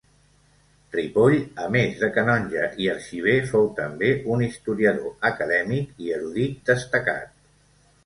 Ripoll, a més de canonge i arxiver, fou també un historiador, acadèmic i erudit destacat.